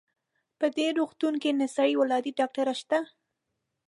په دې روغتون کې نسایي ولادي ډاکټره شته؟